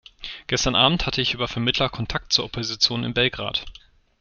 Gestern abend hatte ich über Vermittler Kontakt zur Opposition in Belgrad.